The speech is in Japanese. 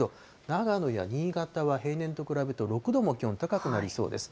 長野や新潟は平年と比べると、６度も気温高くなりそうです。